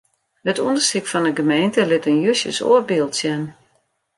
It ûndersyk fan 'e gemeente lit in justjes oar byld sjen.